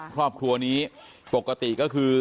ครอบครัวนี้ปกติก็คือ